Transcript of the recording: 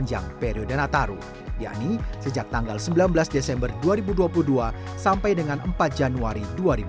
sepanjang periode nataru yakni sejak tanggal sembilan belas desember dua ribu dua puluh dua sampai dengan empat januari dua ribu dua puluh